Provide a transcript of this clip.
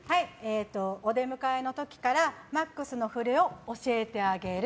お出迎えの時からＭＡＸの振りを教えてあげる。